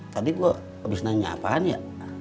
tadi gue habis nanya apaan ya